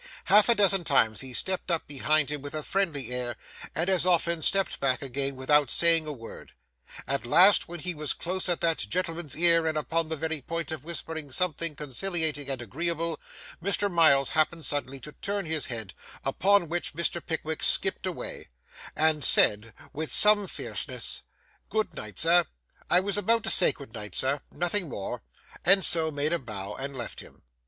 Half a dozen times he stepped up behind him with a friendly air, and as often stepped back again without saying a word; at last, when he was close at that gentleman's ear and upon the very point of whispering something conciliating and agreeable, Mr. Miles happened suddenly to turn his head, upon which Mr. Pickwick skipped away, and said with some fierceness, 'Good night, sir—I was about to say good night, sir,—nothing more;' and so made a bow and left him.